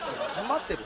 待ってる？